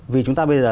vì chúng ta bây giờ